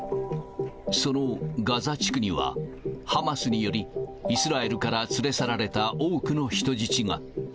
そのガザ地区には、ハマスにより、イスラエルから連れ去られた多くの人質が。